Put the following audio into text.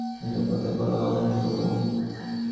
এসব কথায় কলহ হয় ছোটবাবু।